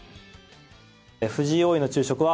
藤井王位の昼食は、